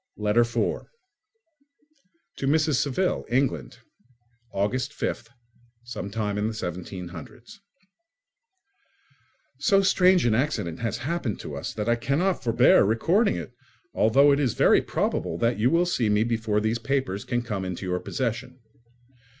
Letter 4 To Mrs. Saville, England. August 5th, 17—. So strange an accident has happened to us that I cannot forbear recording it, although it is very probable that you will see me before these papers can come into your possession.